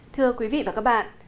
thưa quý vị và các bạn